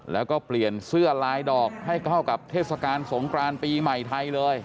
แล้วก็เปลี่ยนเสื้อลายดอกให้เข้ากับเทศกาลสงกรานปีใหม่ไทยเลย